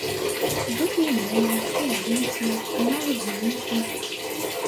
Гэта і мова, і звычаі, і нават знешнасць.